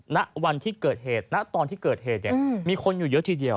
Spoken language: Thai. ณวันที่เกิดเหตุณตอนที่เกิดเหตุเนี่ยมีคนอยู่เยอะทีเดียว